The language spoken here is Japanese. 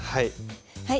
はい。